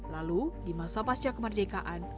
lalu di masa pasca kemerdekaan